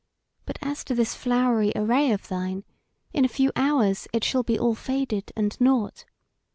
But as to this flowery array of thine, in a few hours it shall be all faded and nought.